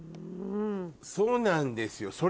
そうなんですよ